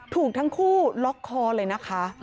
ถูกทั้งคู่ล็อกคอเลยนะคะ